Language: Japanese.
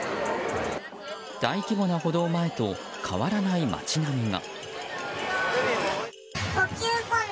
大規模な補導前と変わらない街並みが。